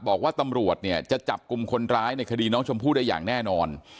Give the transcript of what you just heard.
บอกว่าตำรวจเนี่ยจะจับกลุ่มคนร้ายในคดีน้องชมพู่ได้อย่างแน่นอน